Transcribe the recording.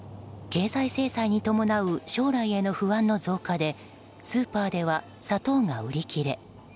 経済制裁に伴う将来への不安の増加でスーパーでは砂糖が売り切れ。